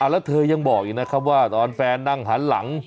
แล้วเธอยังบอกอีกนะครับว่าตอนแฟนนั่งหันหลัง